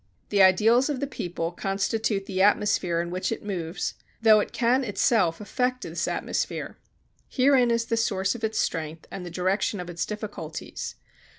The ideals of the people constitute the atmosphere in which it moves, though it can itself affect this atmosphere. Herein is the source of its strength and the direction of its difficulties.